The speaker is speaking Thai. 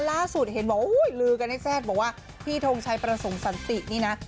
ล่าสุดเห็นว่าลือกันให้แซ่ดพี่ทงชัยประสงสันตินี่นะ